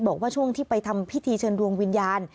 บอกว่าช่วงที่ไปทำพิธีเชิญดวงวิญญาณ